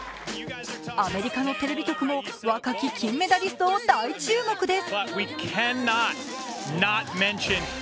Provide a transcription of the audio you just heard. アメリカのテレビ局も若き金メダリストを大注目です。